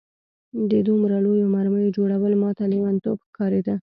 د دومره لویو مرمیو جوړول ماته لېونتوب ښکارېده